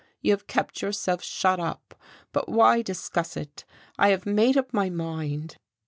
You have kept yourself shut up. But why discuss it? I have made up my mind."